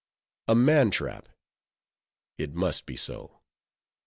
"A man trap!" It must be so.